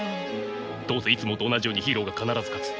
どうせいつもと同じようにヒーローが必ず勝つ。